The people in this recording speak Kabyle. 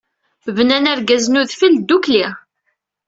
Bnan argaz n udfel ddukkli.